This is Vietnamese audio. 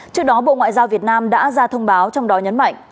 trước đó bộ ngoại giao việt nam đã ra thông báo trong đó nhấn mạnh